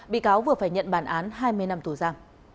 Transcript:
bị cáo vừa phải nhận bản án hai mươi năm tù ra